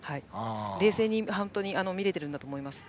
冷静に見れていると思います。